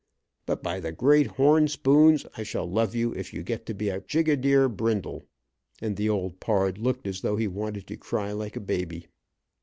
But by the great horn spoons I shall love you if you get to be a Jigadier Brindle," and the old pard looked as though he wanted to cry like a baby.